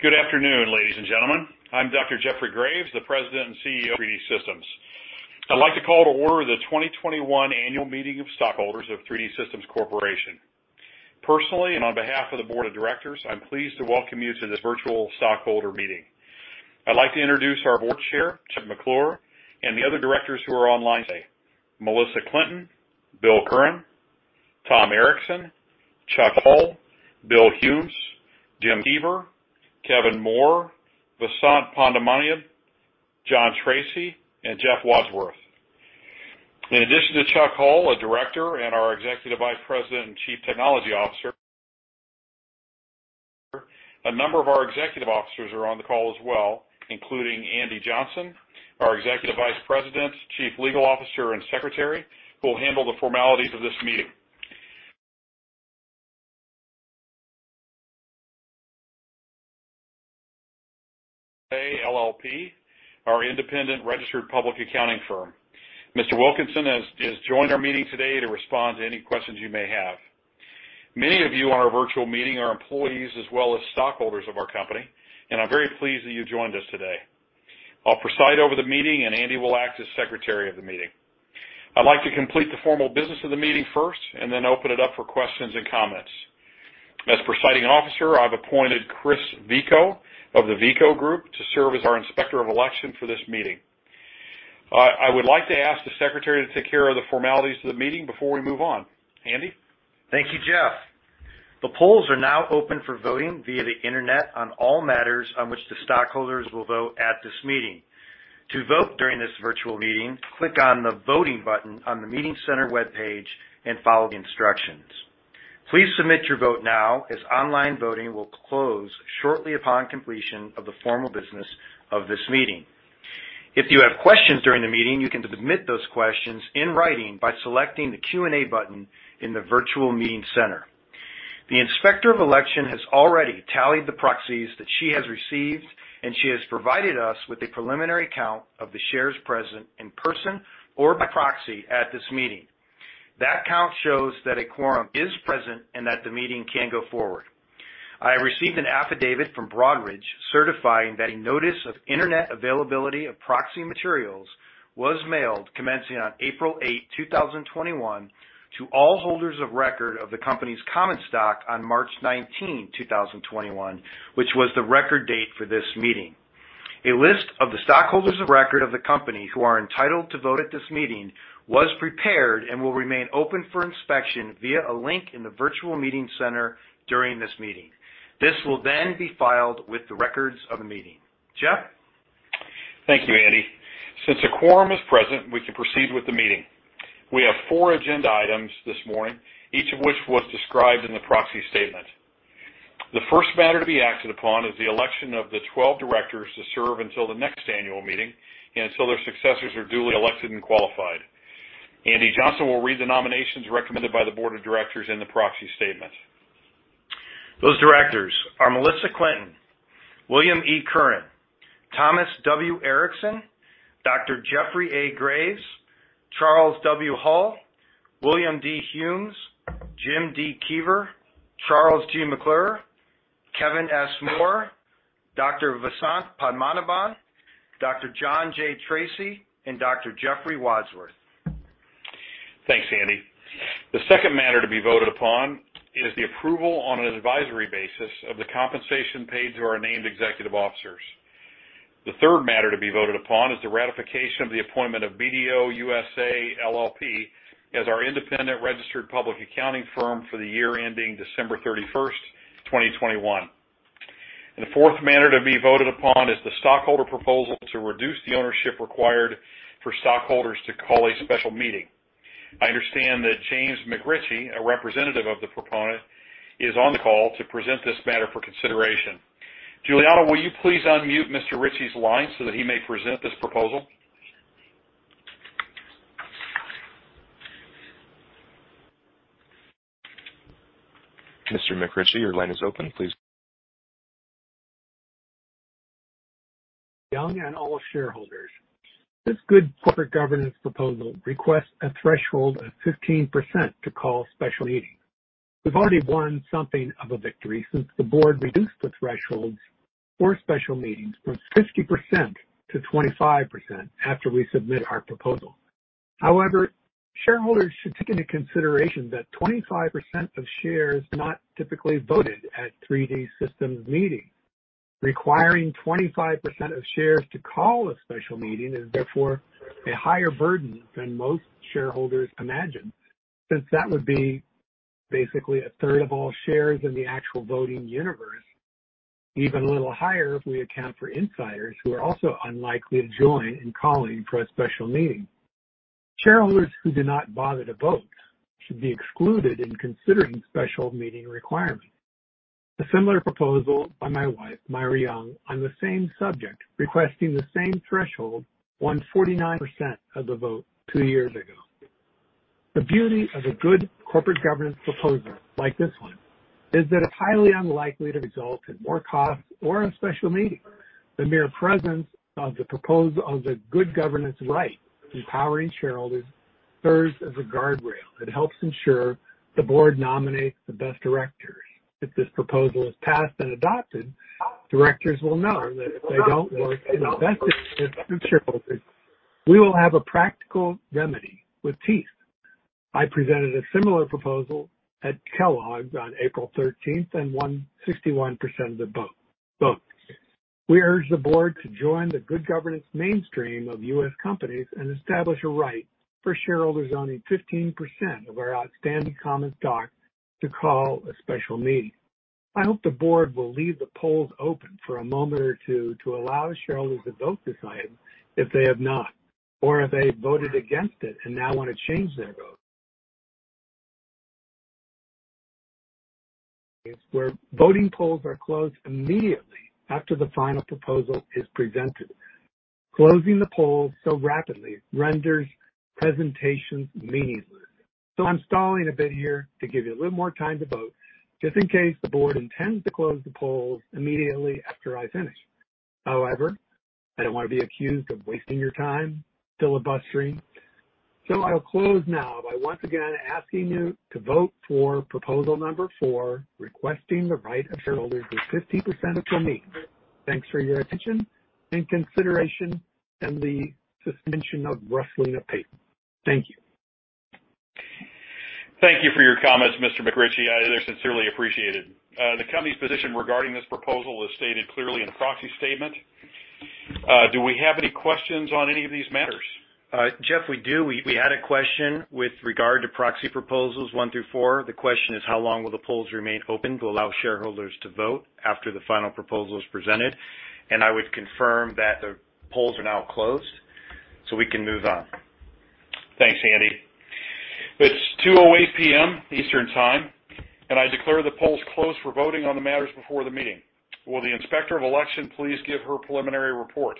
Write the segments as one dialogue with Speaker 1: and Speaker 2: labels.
Speaker 1: Good afternoon, ladies and gentlemen. I'm Dr. Jeffrey Graves, the President and CEO of 3D Systems. I'd like to call to order the 2021 Annual Meeting of Stockholders of 3D Systems Corporation. Personally, and on behalf of the board of directors, I'm pleased to welcome you to this virtual stockholder meeting. I'd like to introduce our Board Chair, Charles G. McClure, Jr., and the other Directors who are online today, Malissia R. Clinton, William E. Curran, Thomas W. Erickson, Charles W. Hull, William D. Humes, Jim D. Kever, Kevin S. Moore, Vasant Padmanabhan, John J. Tracy, and Jeffrey Wadsworth. In addition to Charles W. Hull, a Director and our Executive Vice President and Chief Technology Officer. A number of our executive officers are on the call as well, including Andrew Johnson, our Executive Vice President, Chief Legal Officer, and Secretary, who will handle the formalities of this meeting. BDO USA, LLP, our independent registered public accounting firm. Mr. Wilkinson has joined our meeting today to respond to any questions you may have. Many of you on our virtual meeting are employees as well as stockholders of our company, I'm very pleased that you've joined us today. I'll preside over the meeting, Andy will act as secretary of the meeting. I'd like to complete the formal business of the meeting first and then open it up for questions and comments. As presiding officer, I've appointed Chris Veaco of The Veaco Group to serve as our Inspector of Election for this meeting. I would like to ask the secretary to take care of the formalities of the meeting before we move on. Andy?
Speaker 2: Thank you, Jeff. The polls are now open for voting via the internet on all matters on which the stockholders will vote at this meeting. To vote during this virtual meeting, click on the Voting button on the Meeting Center webpage and follow the instructions. Please submit your vote now, as online voting will close shortly upon completion of the formal business of this meeting. If you have questions during the meeting, you can submit those questions in writing by selecting the Q&A button in the Virtual Meeting Center. The Inspector of Election has already tallied the proxies that she has received. She has provided us with a preliminary count of the shares present in person or by proxy at this meeting. That count shows that a quorum is present and that the meeting can go forward. I received an affidavit from Broadridge certifying that a notice of internet availability of proxy materials was mailed commencing on April 8, 2021, to all holders of record of the company's common stock on March 19, 2021, which was the record date for this meeting. A list of the stockholders of record of the company who are entitled to vote at this meeting was prepared and will remain open for inspection via a link in the Virtual Meeting Center during this meeting. This will then be filed with the records of the meeting. Jeff?
Speaker 1: Thank you, Andy. A quorum is present, we can proceed with the meeting. We have four agenda items this morning, each of which was described in the proxy statement. The first matter to be acted upon is the election of the 12 directors to serve until the next annual meeting and until their successors are duly elected and qualified. Andrew Johnson will read the nominations recommended by the board of directors in the proxy statement.
Speaker 2: Those directors are Malissia Clinton, William E. Curran, Thomas W. Erickson, Dr. Jeffrey A. Graves, Charles W. Hull, William D. Humes, Jim D. Kever, Charles G. McClure, Jr., Kevin S. Moore, Dr. Vasant Padmanabhan, John J. Tracy, and Dr. Jeffrey Wadsworth.
Speaker 1: Thanks, Andy. The second matter to be voted upon is the approval on an advisory basis of the compensation paid to our named executive officers. The third matter to be voted upon is the ratification of the appointment of BDO USA, LLP as our independent registered public accounting firm for the year ending December 31st, 2021. The fourth matter to be voted upon is the stockholder proposal to reduce the ownership required for stockholders to call a special meeting. I understand that James McRitchie, a representative of the proponent, is on the call to present this matter for consideration. Juliana, will you please unmute Mr. Ritchie's line so that he may present this proposal? Mr. Ritchie, your line is open, please.
Speaker 3: Young and all shareholders. This good corporate governance proposal requests a threshold of 15% to call a special meeting. We've already won something of a victory since the board reduced the thresholds for special meetings from 50% to 25% after we submit our proposal. Shareholders should take into consideration that 25% of shares are not typically voted at 3D Systems meetings. Requiring 25% of shares to call a special meeting is therefore a higher burden than most shareholders imagine, since that would be basically a third of all shares in the actual voting universe. Even a little higher if we account for insiders who are also unlikely to join in calling for a special meeting. Shareholders who do not bother to vote should be excluded in considering special meeting requirements. A similar proposal by my wife, Myra Young, on the same subject, requesting the same threshold, won 49% of the vote two years ago. The beauty of a good corporate governance proposal like this one is that it's highly unlikely to result in more costs or in special meetings. The mere presence of the good governance right empowering shareholders serves as a guardrail that helps ensure the board nominates the best directors. If this proposal is passed and adopted, directors will know that if they don't, you know, that's it. We will have a practical remedy with teeth. I presented a similar proposal at Kellogg's on April 13th and won 61% of the vote. We urge the board to join the good governance mainstream of U.S. companies and establish a right for shareholders owning 15% of our outstanding common stock to call a special meeting. I hope the board will leave the polls open for a moment or two to allow shareholders to vote this item if they have not, or if they voted against it and now want to change their vote. Where voting polls are closed immediately after the final proposal is presented. Closing the polls so rapidly renders presentations meaningless. I'm stalling a bit here to give you a little more time to vote just in case the board intends to close the polls immediately after I finish. However, I don't want to be accused of wasting your time filibustering. I'll close now by once again asking you to vote for proposal number four, requesting the right of shareholders with 15% to call a meeting. Thanks for your attention and consideration and the suspension of rustling of paper. Thank you.
Speaker 1: Thank you for your comments, Mr. McRitchie. I sincerely appreciate it. The company's position regarding this proposal is stated clearly in the proxy statement. Do we have any questions on any of these matters?
Speaker 2: Jeff, we do. We had a question with regard to proxy proposals one through four. The question is, how long will the polls remain open to allow shareholders to vote after the final proposal is presented? I would confirm that the polls are now closed, so we can move on.
Speaker 1: Thanks, Andy. It's 2:08 P.M. Eastern Time, and I declare the polls closed for voting on the matters before the meeting. Will the Inspector of Election please give her preliminary report?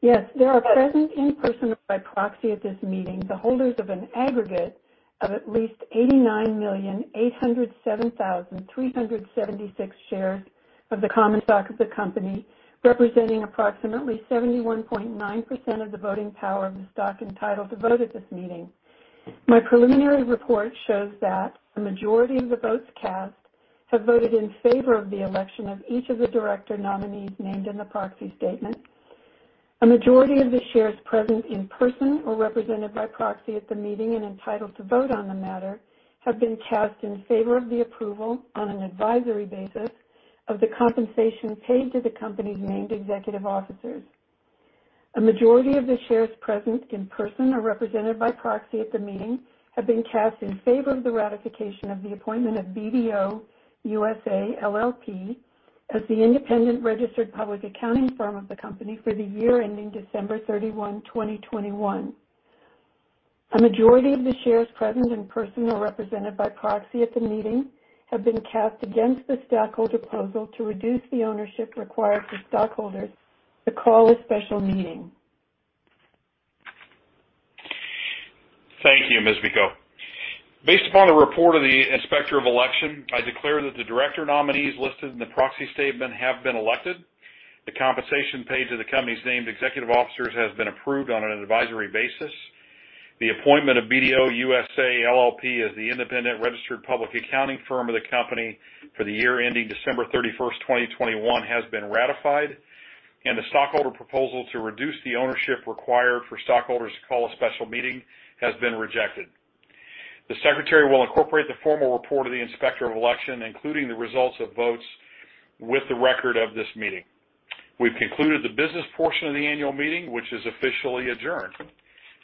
Speaker 4: Yes. There are present in person or by proxy at this meeting, the holders of an aggregate of at least 89,807,376 shares of the common stock of the company, representing approximately 71.9% of the voting power of the stock entitled to vote at this meeting. My preliminary report shows that the majority of the votes cast have voted in favor of the election of each of the director nominees named in the proxy statement. A majority of the shares present in person or represented by proxy at the meeting and entitled to vote on the matter have been cast in favor of the approval on an advisory basis of the compensation paid to the company's named executive officers. A majority of the shares present in person or represented by proxy at the meeting have been cast in favor of the ratification of the appointment of BDO USA, LLP, as the independent registered public accounting firm of the company for the year ending December 31, 2021. A majority of the shares present in person or represented by proxy at the meeting have been cast against the stockholder proposal to reduce the ownership required for stockholders to call a special meeting.
Speaker 1: Thank you, Ms. Picco. Based upon the report of the Inspector of Election, I declare that the director nominees listed in the proxy statement have been elected. The compensation paid to the company's named executive officers has been approved on an advisory basis. The appointment of BDO USA, LLP, as the independent registered public accounting firm of the company for the year ending December 31st, 2021, has been ratified. The stockholder proposal to reduce the ownership required for stockholders to call a special meeting has been rejected. The secretary will incorporate the formal report of the Inspector of Election, including the results of votes with the record of this meeting. We've concluded the business portion of the annual meeting, which is officially adjourned,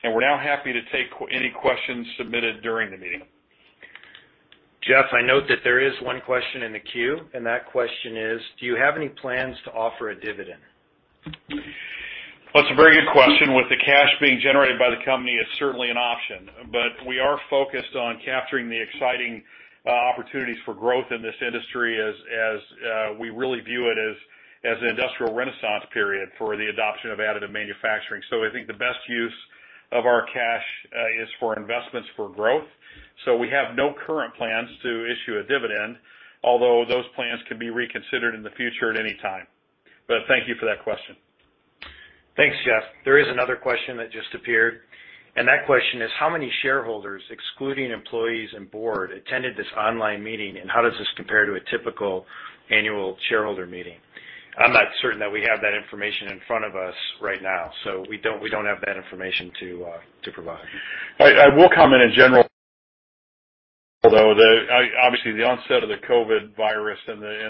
Speaker 1: and we're now happy to take any questions submitted during the meeting.
Speaker 2: Jeff, I note that there is one question in the queue, and that question is. Do you have any plans to offer a dividend?
Speaker 1: That's a very good question. We are focused on capturing the exciting opportunities for growth in this industry as we really view it as an industrial renaissance period for the adoption of additive manufacturing. I think the best use of our cash is for investments for growth. We have no current plans to issue a dividend, although those plans can be reconsidered in the future at any time. Thank you for that question.
Speaker 2: Thanks, Jeff. There is another question that just appeared, that question is, how many shareholders, excluding employees and board, attended this online meeting, how does this compare to a typical annual shareholder meeting?
Speaker 1: I'm not certain that we have that information in front of us right now, we don't have that information to provide. I will comment in general, though, that obviously the onset of the COVID virus and the-